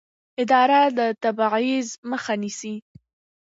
اداره د تبعیض مخه نیسي.